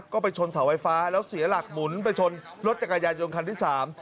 ก็ไปชนเสาไฟฟ้าแล้วเสียหลักหมุนไปชนรถจักรยานยนต์คันที่สาม